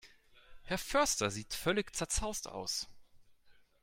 Herr Förster sieht völlig zerzaust aus.